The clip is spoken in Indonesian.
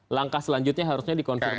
langkah selanjutnya harusnya dikonfirmasi